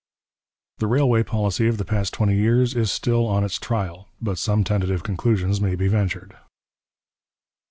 The railway policy of the past twenty years is still on its trial, but some tentative conclusions may be ventured.